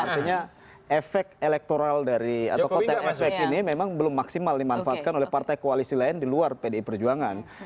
artinya efek elektoral dari atau kotel efek ini memang belum maksimal dimanfaatkan oleh partai koalisi lain di luar pdi perjuangan